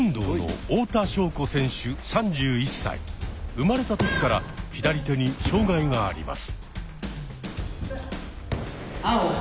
生まれた時から左手に障害があります。